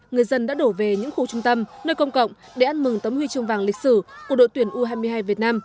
người dân đã đổ về những khu trung tâm nơi công cộng để ăn mừng tấm huy chương vàng lịch sử của đội tuyển u hai mươi hai việt nam